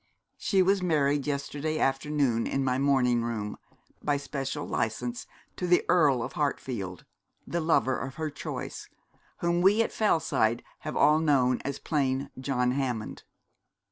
She was married yesterday afternoon in my morning room, by special licence, to the Earl of Hartfield, the lover of her choice, whom we at Fellside have all known as plain John Hammond.